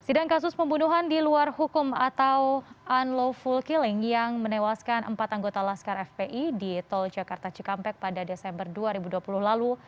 sidang kasus pembunuhan di luar hukum atau unlawful killing yang menewaskan empat anggota laskar fpi di tol jakarta cikampek pada desember dua ribu dua puluh lalu